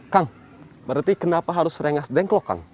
kang berarti kenapa harus rengas dengklokang